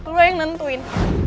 lu yang nentuin